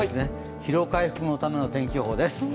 疲労回復のための天気予報です。